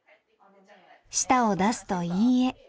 舌を出すと「いいえ」。